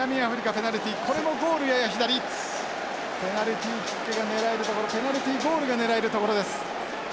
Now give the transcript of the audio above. ペナルティーキックが狙える所ペナルティーゴールが狙える所です。